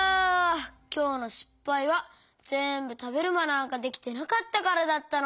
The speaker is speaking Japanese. きょうのしっぱいはぜんぶたべるマナーができてなかったからだったのか。